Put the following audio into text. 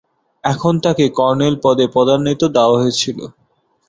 এখন তাঁকে কর্নেল পদে পদোন্নতি দেওয়া হয়েছে।